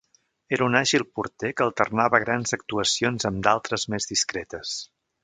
Era un àgil porter que alternava grans actuacions amb d'altres més discretes.